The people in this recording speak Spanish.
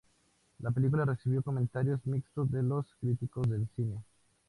La película recibió comentarios mixtos de los críticos de cine.